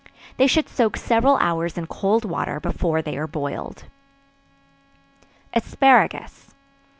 They should soak several hours in cold water before they are boiled. Asparagus.